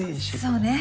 そうね。